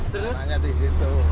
tungannya di situ